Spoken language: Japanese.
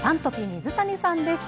水谷さんです。